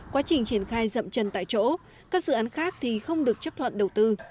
quá trình triển khai rậm trần tại chỗ các dự án khác thì không được chấp thuận đầu tư